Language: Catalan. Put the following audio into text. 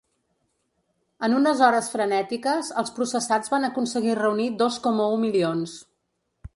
En unes hores frenètiques els processats van aconseguir reunir dos coma u milions.